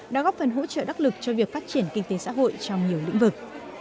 đã góp phần hỗ trợ đắc lực cho việc phát triển kinh tế xã hội trong nhiều lĩnh vực